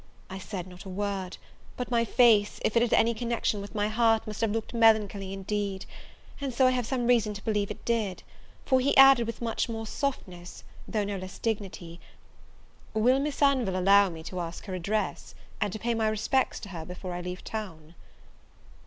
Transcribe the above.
I said not a word; but my face, if it had any connection with my heart, must have looked melancholy indeed: and so I have some reason to believe it did; for he added with much more softness, though no less dignity, "Will Miss Anville allow me to ask her address, and to pay my respects to her before I leave town?"